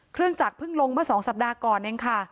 เครื่องจักรเพิ่งลงเมื่อ๒สัปดาห์ก่อนเองค่ะ